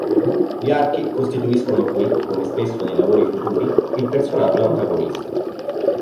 Gli archi costituiscono qui, come spesso nei lavori futuri, il personaggio antagonista.